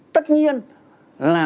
tất nhiên là